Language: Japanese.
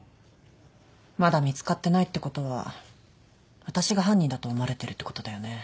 まだ見つかってないってことは私が犯人だと思われてるってことだよね。